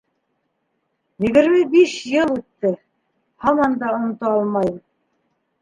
Егерме биш йыл үтте, һаман да онота алмайым!